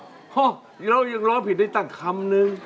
ซึ่งเรายังโลลพิลตัวคำหนึ่ง